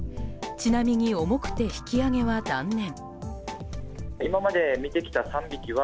ちなみに、重くて引き上げは断念。